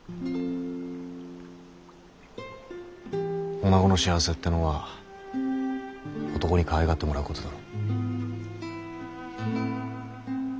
おなごの幸せってのは男にかわいがってもらうことだろ。